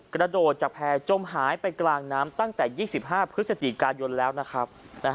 กระโดดจากแพร่จมหายไปกลางน้ำตั้งแต่๒๕พฤศจิกายนแล้วนะครับ